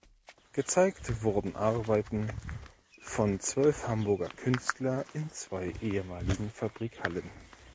Gezeigt wurden Arbeiten von zwölf Hamburger Künstler in zwei ehemaligen Fabrikhallen.